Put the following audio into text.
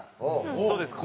そうです